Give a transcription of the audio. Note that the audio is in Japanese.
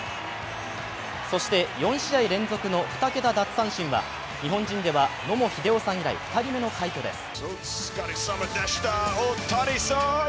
そして４試合連続の２桁奪三振は日本人では野茂英雄さん以来２人目の快挙です。